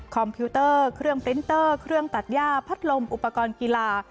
พิวเตอร์เครื่องปรินเตอร์เครื่องตัดย่าพัดลมอุปกรณ์กีฬา